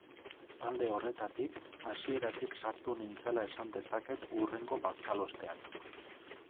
Alde horretatik, hasieratik sartu nintzela esan dezaket hurrengo bazkalostean.